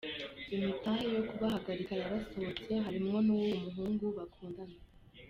Imitahe yo kubahagarika yarasohotse harimwo n'uwuwo muhungu bakundana.